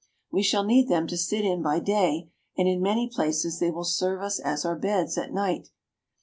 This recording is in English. We shall need them to sit in by day, and in many places they will serve us as our beds at night.